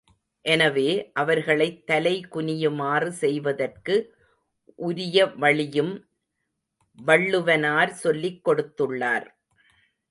எனவே, அவர்களைத் தலை குனியுமாறு செய்வதற்கு உரிய வழியும் வள்ளுவனார் சொல்லிக் கொடுத்துள்ளார்.